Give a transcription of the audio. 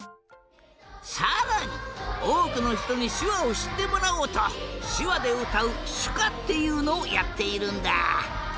さらにおおくのひとにしゅわをしってもらおうとしゅわでうたうしゅかっていうのをやっているんだ。